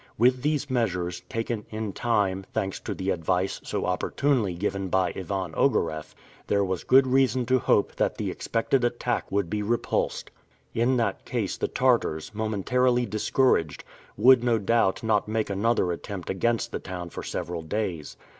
With these measures, taken in time, thanks to the advice so opportunely given by Ivan Ogareff, there was good reason to hope that the expected attack would be repulsed. In that case the Tartars, momentarily discouraged, would no doubt not make another attempt against the town for several days.